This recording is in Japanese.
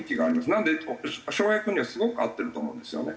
なので翔平君にはすごく合ってると思うんですよね。